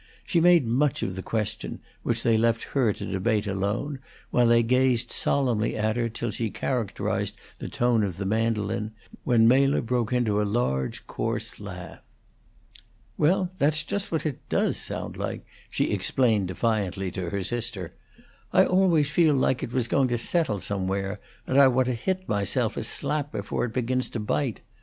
She made much of the question, which they left her to debate alone while they gazed solemnly at her till she characterized the tone of the mandolin, when Mela broke into a large, coarse laugh. "Well, that's just what it does sound like," she explained defiantly to her sister. "I always feel like it was going to settle somewhere, and I want to hit myself a slap before it begins to bite.